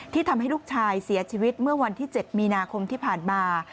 ทำให้ลูกชายเสียชีวิตเมื่อวันที่๗มีนาคมที่ผ่านมา